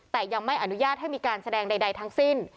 แต่ยังไม่อนุญาตให้มีการแสดงใดทั้งสิ้น